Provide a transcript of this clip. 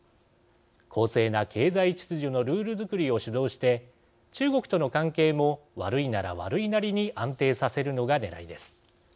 公正な経済秩序のルールづくりを主導して中国との関係も悪いなら悪いなりに安定させるのがねらいです。